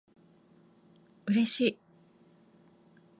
嬉しい